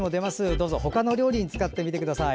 どうぞ、他の料理に使ってみてください。